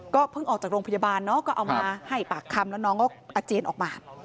เพิ่งออกจากโรงพยาบาลเนาะก็เอามาให้ปากคำแล้วน้องก็อาเจียนออกมา